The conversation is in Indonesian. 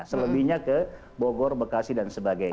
selebihnya ke bogor bekasi dan sebagainya